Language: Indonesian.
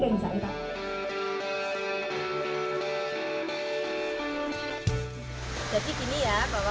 kami menggunakan air hujan untuk menanam pohon